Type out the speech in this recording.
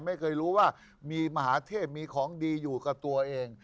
ไม่รู้ว่ามีมหาเทพมีของดีอยู่กับตัวเอง